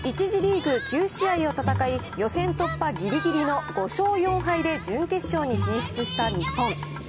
１次リーグ９試合を戦い、予選突破ぎりぎりの５勝４敗で準決勝に進出した日本。